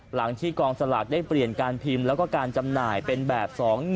หลังที่กองสลากได้เปลี่ยนการพิมพ์แล้วก็การจำหน่ายเป็นแบบ๒๑